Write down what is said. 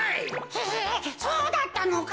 えそうだったのか。